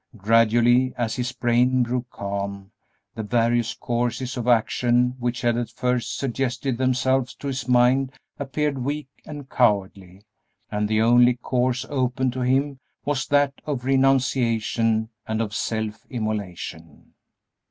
Gradually, as his brain grew calm, the various courses of action which had at first suggested themselves to his mind appeared weak and cowardly, and the only course open to him was that of renunciation and of self immolation.